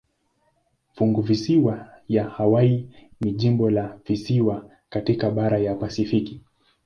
Funguvisiwa ya Hawaii ni jimbo la visiwani katika bahari ya Pasifiki.